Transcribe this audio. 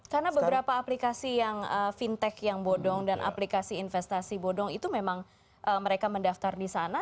karena beberapa aplikasi yang fintech yang bodong dan aplikasi investasi bodong itu memang mereka mendaftar di sana